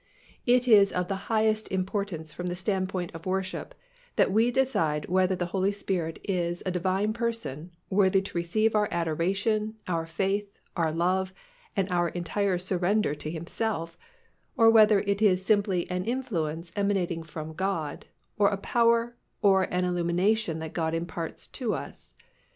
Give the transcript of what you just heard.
It is of the highest importance from the standpoint of worship that we decide whether the Holy Spirit is a Divine Person, worthy to receive our adoration, our faith, our love, and our entire surrender to Himself, or whether it is simply an influence emanating from God or a power or an illumination that God imparts to us.